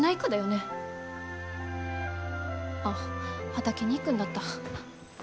あっ畑に行くんだった。